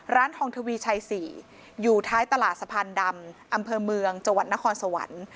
ร้านทองทวีชัย๔อยู่ท้ายตลาดสะพานดำอำเภอเมืองจังหวัดนครสวรรค์